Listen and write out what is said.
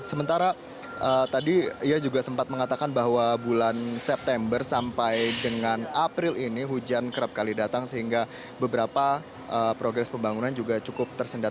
sementara tadi ia juga sempat mengatakan bahwa bulan september sampai dengan april ini hujan kerap kali datang sehingga beberapa progres pembangunan juga cukup tersendat